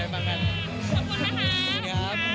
ขอบคุณนะคะขอบคุณพี่โดง